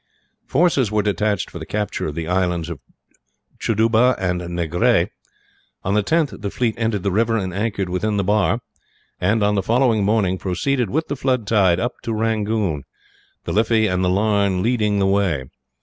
Forces were detached for the capture of the islands of Chuduba and Negrais. On the 10th the fleet entered the river and anchored within the bar and, on the following morning, proceeded with the flood tide up to Rangoon, the Liffey and the Larne leading the way.